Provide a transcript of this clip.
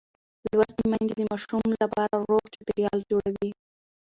لوستې میندې د ماشوم لپاره روغ چاپېریال جوړوي.